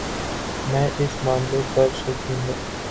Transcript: میں اس معاملے پر سوچوں گا